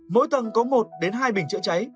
mỗi tầng có một đến hai bình chữa cháy